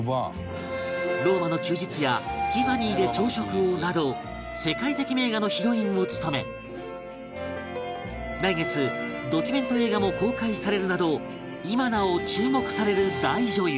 『ローマの休日』や『ティファニーで朝食を』など世界的名画のヒロインを務め来月ドキュメント映画も公開されるなど今なお注目される大女優